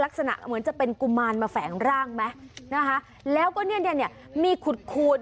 ลักษณะเหมือนจะเป็นกุมารมาแฝงร่างไหมนะคะแล้วก็เนี่ยเนี่ยมีขูดขูด